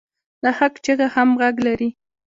د حق چیغه هم غږ لري